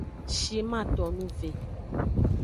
Shiman tonu ve.